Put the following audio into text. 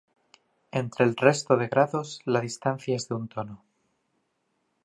Entre el resto de grados la distancia es de un tono.